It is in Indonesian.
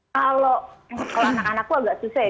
kalau anak anak gue agak susah ya